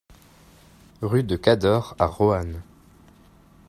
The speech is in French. Rue de Cadore à Roanne